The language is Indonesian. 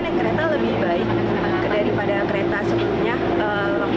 naik kereta lebih baik daripada kereta sebelumnya